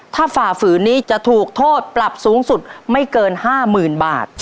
ถ้าฝ่าฝืนนี้จะถูกโทษปรับสูงสุดไม่เกิน๕๐๐๐บาท